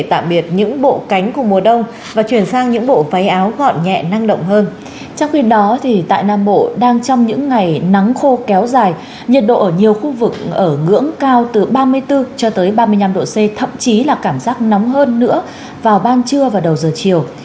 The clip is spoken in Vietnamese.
trong khi đó tại nam bộ đang trong những ngày nắng khô kéo dài nhiệt độ ở nhiều khu vực ở ngưỡng cao từ ba mươi bốn cho tới ba mươi năm độ c thậm chí là cảm giác nóng hơn nữa vào ban trưa và đầu giờ chiều